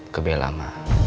ke bella ma